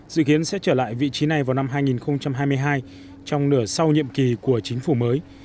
dự kiến sẽ trở lại vị trí này vào năm hai nghìn hai mươi hai trong nửa sau nhiệm kỳ của chính phủ mới